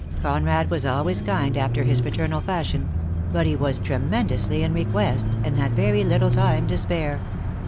Conrad was always kind after his fraternal fashion; but he was tremendously in request, and had very little time to spare.